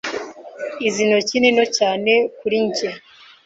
Izi ntoki ni nto cyane kuri njye.